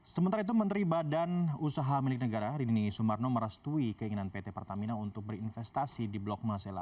sementara itu menteri badan usaha milik negara rini sumarno merestui keinginan pt pertamina untuk berinvestasi di blok masela